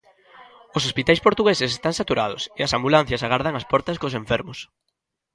Os hospitais portugueses están saturados e as ambulancias agardan ás portas cos enfermos.